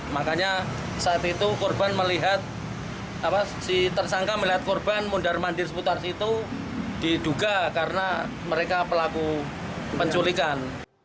makanya saat itu korban melihat si tersangka melihat korban mundar mandir seputar situ diduga karena mereka pelaku penculikan